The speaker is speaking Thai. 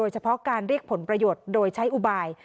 เฉพาะการเรียกผลประโยชน์โดยใช้อุบาย